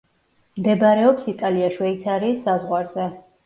მდებარეობს იტალია-შვეიცარიის საზღვარზე.